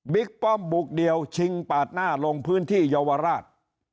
ป้อมบุกเดียวชิงปาดหน้าลงพื้นที่เยาวราช